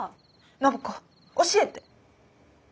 暢子教えて！